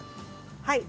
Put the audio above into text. はい。